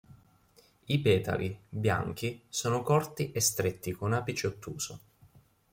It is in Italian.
I petali, bianchi, sono corti e stretti con apice ottuso.